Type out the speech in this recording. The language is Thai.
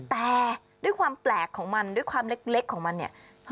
แต่ด้วยความแปลกของมันด้วยความเล็กของมันเนี่ย